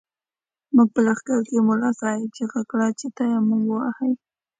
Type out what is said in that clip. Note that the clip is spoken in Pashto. زموږ په لښکر ملا صاحب چيغه کړه چې تيمم ووهئ.